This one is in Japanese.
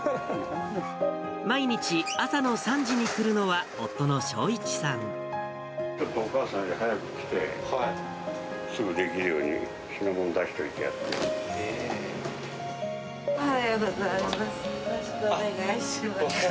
毎日朝の３時に来るのは夫のちょっとお母さんより早く来て、すぐできるように、品物出しておいてやって。